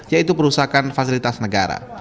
yaitu perusahaan fasilitas negara